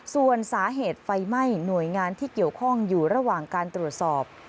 ส่วนสาเหตุไฟไหม้หน่วยงานที่เกี่ยวข้องอยู่ระหว่างการตรวจสอบ